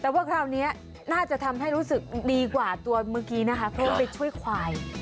แต่ว่าคราวนี้น่าจะทำให้รู้สึกดีกว่าตัวเมื่อกี้นะคะเพราะว่าไปช่วยควาย